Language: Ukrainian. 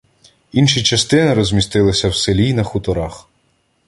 Інші частини розмістилися в селі й на хуторах.